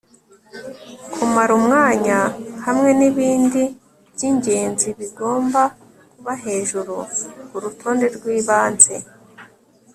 kumara umwanya hamwe nibindi byingenzi bigomba kuba hejuru kurutonde rwibanze